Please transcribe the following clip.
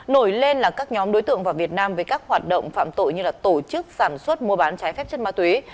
nổi lên là các nhóm đối tượng vào việt nam với các hoạt động phạm tội như tổ chức sản xuất mua bán trái phép chất ma túy